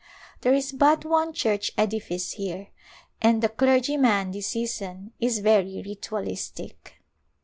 There is but one church edifice here and the clergy man this season is very ritualistic.